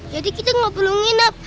jadi kita nggak perlu nginep